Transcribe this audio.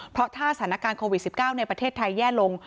เพราะถ้าสถานการณ์โควิด๑๙ในประเทศไทยแย่ลง